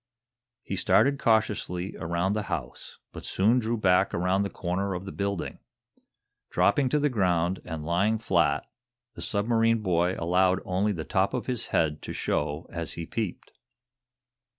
He started cautiously around the house, but soon drew back around the corner of the building. Dropping to the ground, and lying flat, the submarine boy allowed only the top of his head to show as he peeped.